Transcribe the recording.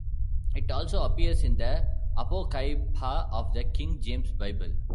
It also appears in the Apocrypha of the King James Bible.